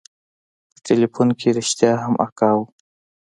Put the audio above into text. په ټېلفون کښې رښتيا هم اکا و.